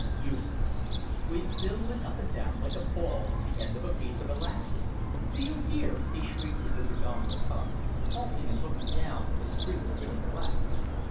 Useless. We still went up and down like a ball at the end of a piece of elastic. "Do you hear?" he shrieked in the Dagomba tongue, halting and looking down at the string of grinning blacks.